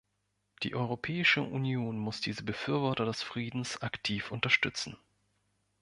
Die Europäische Union muss diese Befürworter des Friedens aktiv unterstützen.